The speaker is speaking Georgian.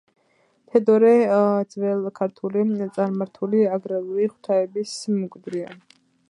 თედორე ძველქართული წარმართული აგრარული ღვთაების მემკვიდრეა.